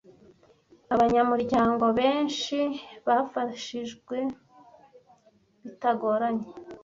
Abanyamuryango benshi bafashijwe bitagoranye